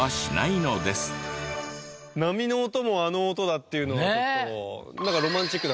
波の音もあの音だっていうのはなんか。